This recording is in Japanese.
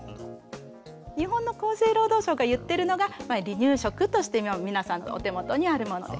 日本の厚生労働省が言ってるのが離乳食として皆さんのお手元にあるもので。